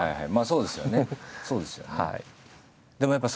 そうですよね。